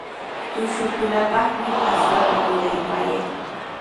Tushuqkunapaqmi aswata ruraykaayan.